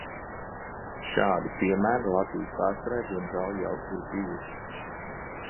Šādi piemēri Latvijas vēsturē diemžēl jau ir bijuši.